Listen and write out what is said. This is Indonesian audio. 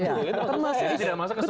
tidak masuk ke semenan